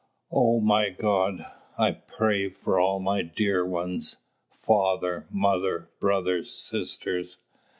O my God, I pray for all my dear ones, ... father, mother, brothers, sisters.